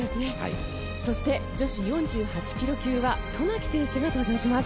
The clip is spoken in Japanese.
そして女子４８ｋｇ級は渡名喜選手が登場します。